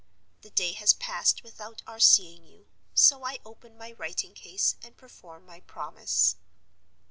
The day has passed without our seeing you. So I open my writing case and perform my promise.